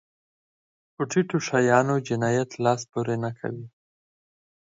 په ټيټو شیانو جنایت لاس پورې نه کوي.